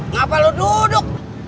ngapain lo duduk